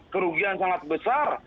kerugian sangat besar